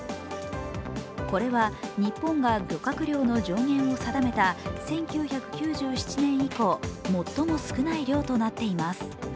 これは日本が漁獲量の上限を定めた１９９７年以降最も少ない量となっています。